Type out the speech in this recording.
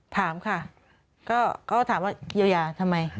ถามค่ะก็ถามว่าเยียวยาทำไม